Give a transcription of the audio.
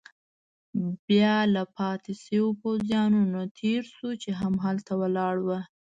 بیا له پاتې شوو پوځیانو نه تېر شوو، چې هملته ولاړ ول.